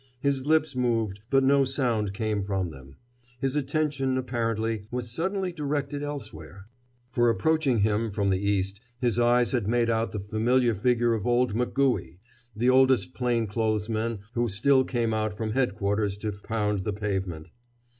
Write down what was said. His lips moved, but no sound came from them. His attention, apparently, was suddenly directed elsewhere. For approaching him from the east his eyes had made out the familiar figure of old McCooey, the oldest plain clothes man who still came out from Headquarters to "pound the pavement."